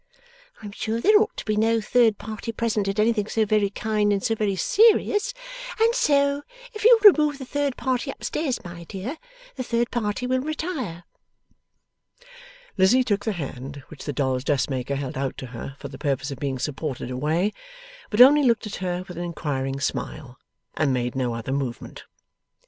I am sure there ought to be no third party present at anything so very kind and so very serious; and so, if you'll remove the third party upstairs, my dear, the third party will retire.' Lizzie took the hand which the dolls' dressmaker held out to her for the purpose of being supported away, but only looked at her with an inquiring smile, and made no other movement.